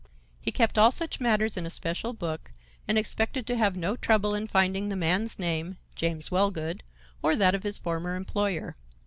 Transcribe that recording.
"He kept all such matters in a special book and expected to have no trouble in finding the man's name, James Wellgood, or that of his former employer.